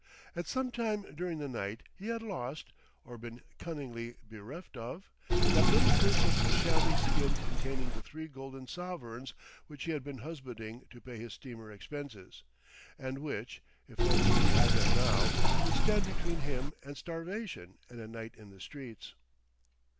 At sometime during the night he had lost (or been cunningly bereft of?) that little purse of chamois skin containing the three golden sovereigns which he had been husbanding to pay his steamer expenses, and which, if only he had them now, would stand between him and starvation and a night in the streets.